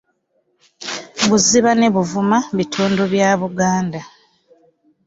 Buziba ne Buvuma bitundu bya Buganda.